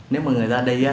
nếu mà người ta đi á